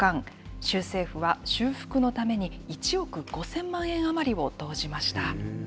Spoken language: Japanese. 州政府は修復のために１億５０００万円余りを投じました。